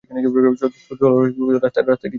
চল, রাস্তায় কিছুক্ষণ হাঁটি।